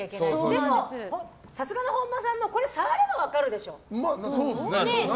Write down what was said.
でもさすがの本間さんもこれ、触ればそうですね。